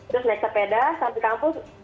terus naik sepeda sampai kampus